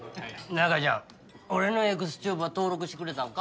中ちゃん俺のＥｘＴｕｂｅは登録してくれたんか？